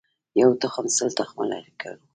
یو تخم سل تخمه کړو.